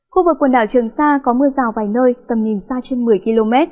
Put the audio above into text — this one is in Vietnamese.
khu vực quần đảo trường sa có mưa rào vài nơi tầm nhìn xa trên một mươi km